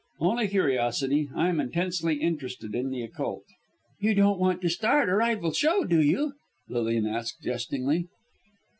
"Only curiosity. I am intensely interested in the occult." "You don't want to start a rival show, do you?" Lilian asked jestingly.